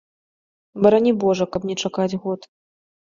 Барані божа, каб не чакаць год.